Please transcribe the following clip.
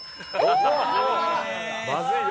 まずいよ。